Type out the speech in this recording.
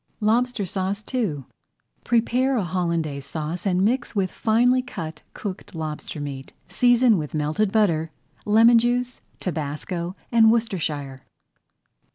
LOBSTER SAUCE II Prepare a Hollandaise Sauce and mix with finely cut cooked lobster meat. Season with melted butter, lemon juice, tabasco, and Worcestershire.